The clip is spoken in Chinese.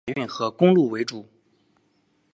以海运和公路为主。